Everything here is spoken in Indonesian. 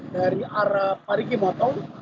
dari arah parigi montong